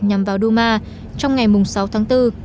nhằm vào duma trong ngày sáu tháng bốn